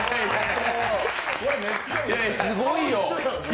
すごいよ！